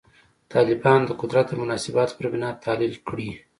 طالبان د قدرت د مناسباتو پر بنا تحلیل کړي.